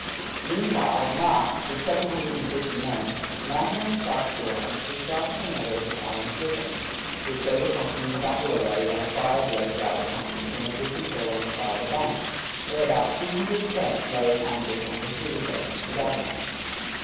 Meanwhile, March, with seven hundred and fifty men, landed on the south shore and pushed on to the meadows of Allen's River, which they were crossing in battle array when a fire blazed out upon them from a bushy hill on the farther bank, where about two hundred French lay in ambush under Subercase, the governor.